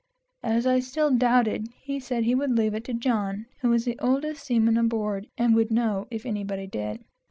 As I still doubted, he said he would leave it to John, who was the oldest seaman aboard, and would know, if anybody did.